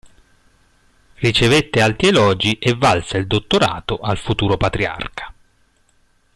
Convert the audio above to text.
Ricevette alti elogi e valse il dottorato al futuro patriarca.